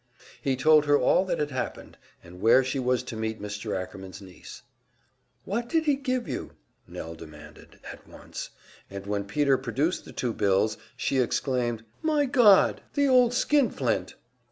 He told her all that had happened, and where she was to meet Mr. Ackerman's niece. "What did he give you?" Nell demanded, at once, and when Peter produced the two bills, she exclaimed, "My God! the old skint flint!"